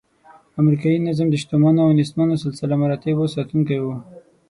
امریکایي نظم د شتمنو او نیستمنو سلسله مراتبو ساتونکی و.